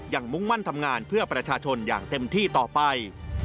มุ่งมั่นทำงานเพื่อประชาชนอย่างเต็มที่ต่อไป